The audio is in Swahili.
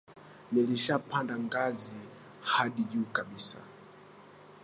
Nilishapanda ngazi hadi juu kabisa